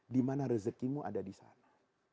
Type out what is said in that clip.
dimana rezekimu ada di sana